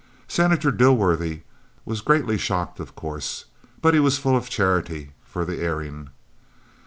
Senator Dilworthy, was greatly shocked, of course, but he was full of charity for the erring.